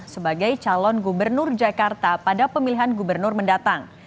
sebagai calon gubernur jakarta pada pemilihan gubernur mendatang